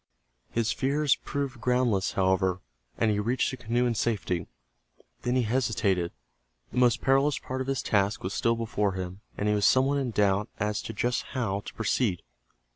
His fears proved groundless, however, and he reached the canoe in safety. Then he hesitated. The most perilous part of his task was still before him, and he was somewhat in doubt as to just how to proceed.